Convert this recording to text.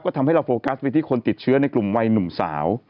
ก็ทำให้เราโฟกัสไปที่คนติดเชื้อในกลุ่มวัยหนุ่มสาว